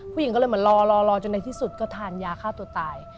ผู้หญิงก็เลยเหมือนรอรอจนในที่สุดก็ทานยาฆ่าตัวตาย